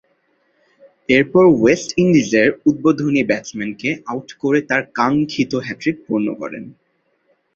এরপর ওয়েস্ট ইন্ডিজের উদ্বোধনী ব্যাটসম্যানকে আউট করে তার কাঙ্ক্ষিত হ্যাট্রিক পূর্ণ করেন।